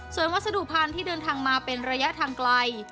ส่วนวัสดุพันธุ์ที่เดินทางมาเป็นระยะทางไกล